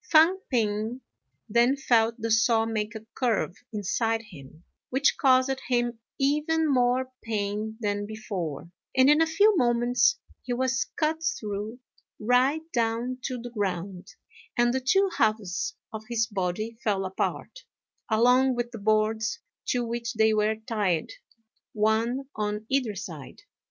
Fang p'ing then felt the saw make a curve inside him, which caused him even more pain than before; and, in a few moments, he was cut through right down to the ground, and the two halves of his body fell apart, along with the boards to which they were tied, one on either side.